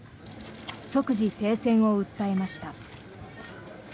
即時停戦を訴えました。